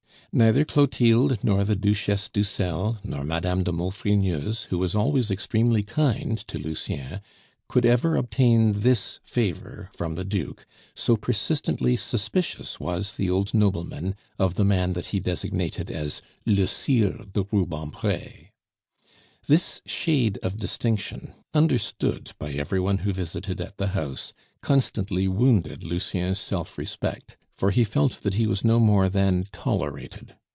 Neither Clotilde, nor the Duchesse d'Uxelles, nor Madame de Maufrigneuse, who was always extremely kind to Lucien, could ever obtain this favor from the Duke, so persistently suspicious was the old nobleman of the man that he designated as "le Sire de Rubempre." This shade of distinction, understood by every one who visited at the house, constantly wounded Lucien's self respect, for he felt that he was no more than tolerated.